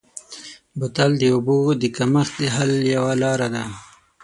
بوتل د اوبو د کمښت د حل یوه لاره ده.